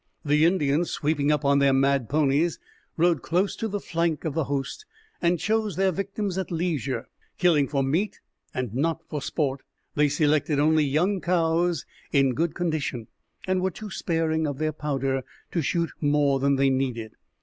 The Indians, sweeping up on their mad ponies, rode close to the flank of the host and chose their victims at leisure. Killing for meat and not for sport, they selected only young cows in good condition, and were too sparing of their powder to shoot more than they needed.